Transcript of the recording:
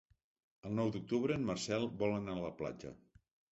El nou d'octubre en Marcel vol anar a la platja.